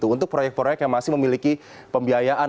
untuk proyek proyek yang masih memiliki pembiayaan